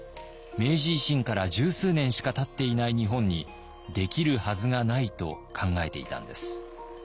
明治維新から十数年しかたっていない日本にできるはずがないと考えていたんです。